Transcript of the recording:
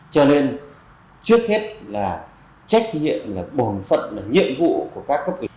cho nên trước hết là trách nhiệm là bổn phận là nhiệm vụ của các cấp ủy